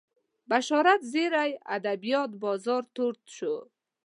بشارت زیري ادبیات بازار تود شو